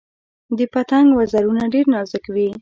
د پتنګ وزرونه ډیر نازک وي